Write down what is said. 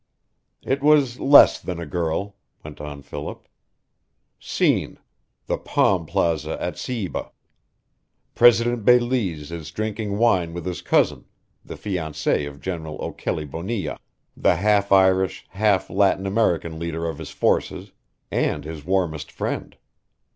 "It was less than a girl," went on Philip. "Scene: the palm plaza at Ceiba. President Belize is drinking wine with his cousin, the fiancee of General O'Kelly Bonilla, the half Irish, half Latin American leader of his forces, and his warmest friend.